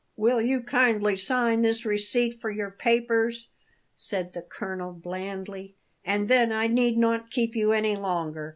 "Will you kindly sign this receipt for your papers?" said the colonel blandly; "and then I need not keep you any longer.